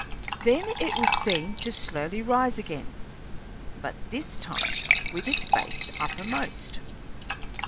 Then it was seen to slowly rise again, but this time with its base uppermost.